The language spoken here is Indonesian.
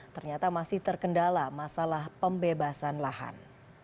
ternyata masih terkendala masalah pembebasan lahan